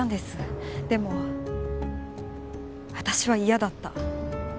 でも私は嫌だった。